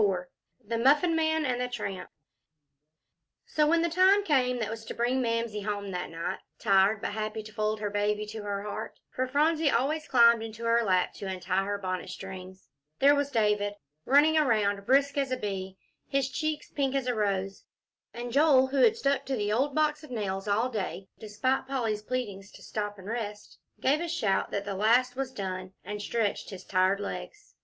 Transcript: IV THE MUFFIN MAN AND THE TRAMP So when the time came that was to bring Mamsie home that night, tired, but happy to fold her baby to her heart, for Phronsie always climbed into her lap to untie her bonnet strings, there was David, running around brisk as a bee, his cheeks pink as a rose, and Joel, who had stuck to the old box of nails all day, despite Polly's pleadings to stop and rest, gave a shout that the last was done, and stretched his tired legs.